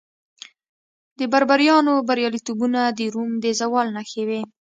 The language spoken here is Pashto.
د بربریانو بریالیتوبونه د روم د زوال نښې وې